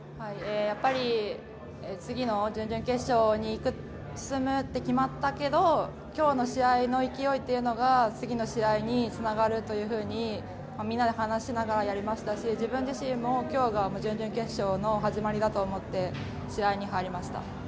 やっぱり次の準々決勝に進むって決まったけど今日の試合の勢いというのが次の試合につながるというふうにみんなで話しながらやりましたし自分自身も今日が準々決勝の始まりだと思って試合に入りました。